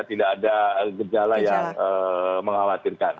tidak ada gejala yang mengkhawatirkan